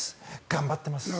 頑張ってます。